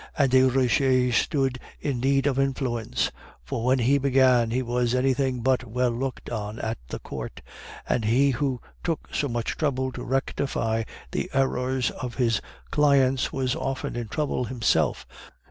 And Desroches stood in need of influence; for when he began, he was anything but well looked on at the court, and he who took so much trouble to rectify the errors of his clients was often in trouble himself.